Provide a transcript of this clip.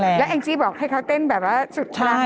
แล้วอังกฤษบอกให้เขาเต้นแบบว่าสุดท้าย